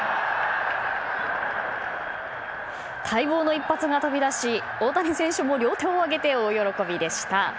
待望の一発が飛び出し大谷選手も両手を上げて大喜びでした。